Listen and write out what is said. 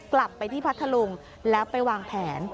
กลับไปที่พัทธลุงแล้วไปวางแผน